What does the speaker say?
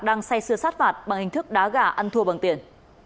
đang xay xưa sát vạt bằng hình thức đá gà ăn thua bằng tiền